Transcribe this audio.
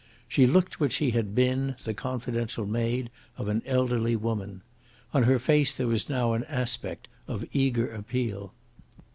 She looked what she had been, the confidential maid of an elderly woman. On her face there was now an aspect of eager appeal.